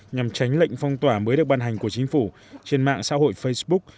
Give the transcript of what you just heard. nhằm tránh lệnh phong tỏa mới được ban hành của chính phủ trên mạng xã hội facebook